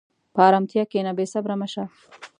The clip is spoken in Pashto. په ارامتیا کښېنه، بېصبره مه شه.